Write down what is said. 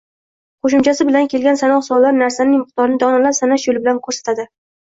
Qoʻshimchasi bilan kelgan sanoq sonlar narsaning miqdorini donalab sanash yoʻli bilan koʻrsatadi